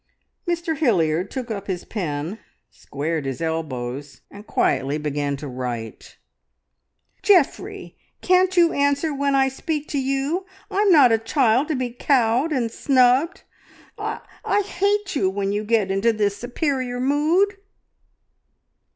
Mr Hilliard took up his pen, squared his elbows, and quietly began to write. "Geoffrey, can't you answer when I speak to you! I'm not a child to be cowed and snubbed! I I hate you when you get into this superior mood!"